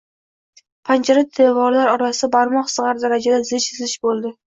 Panjara-devorlar orasi barmoq sig‘ar darajada zich-zich bo‘ldi.